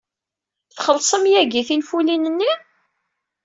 Txellṣem yagi tinfulin-nni?